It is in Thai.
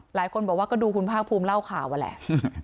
หลายคนบอกว่าก็ดูคุณภาคภูมิเล่าข่าวนั่นแหละ